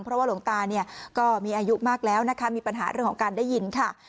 เพราะว่าหลวงตาเนี่ยก็มีอายุมากแล้วนะคะมีปัญหาเรื่องของการได้ยินค่ะ